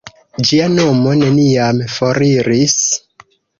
Ĝia nomo neniam foriris.